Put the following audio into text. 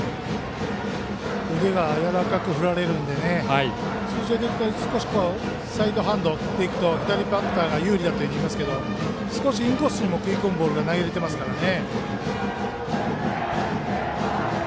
腕がやわらかく振られるので通常だと、少しサイドハンドだと左バッターが有利だといいますがインコースにも食い込むボールが投げられていますね。